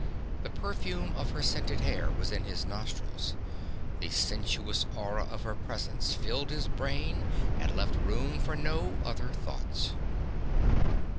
The perfume of her scented hair was in his nostrils, the sensuous aura of her presence filled his brain and left room for no other thoughts.